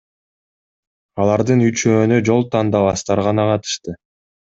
Алардын үчөөнө жол тандабастар гана катышты.